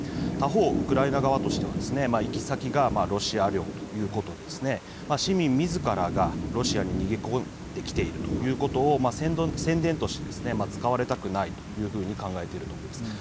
他方、ウクライナ側としては行き先がロシア領ということで市民みずからがロシアに逃げ込んできているということを宣伝として使われたくないというふうに考えていると思います。